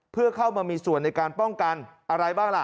เพื่อเข้ามามีส่วนในการป้องกันอะไรบ้างล่ะ